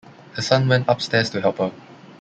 Her son went upstairs to help her.